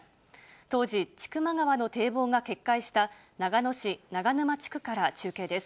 当時、千曲川の堤防が決壊した長野市長沼地区から中継です。